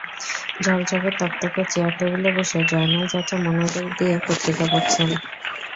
ঝকঝকে তকতকে চেয়ার টেবিলে বসে জয়নাল চাচা মনোযোগ দিয়ে পত্রিকা পড়ছেন।